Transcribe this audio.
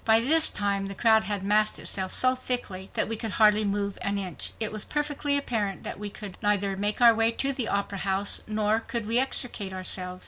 By this time the crowd had massed itself so thickly that we could hardly move an inch. It was perfectly apparent that we could neither make our way to the Opera House nor could we extricate ourselves.